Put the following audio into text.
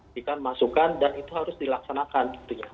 dikan masukkan dan itu harus dilaksanakan